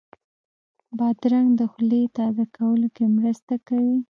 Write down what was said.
بادرنګ د خولې تازه کولو کې مرسته کوي.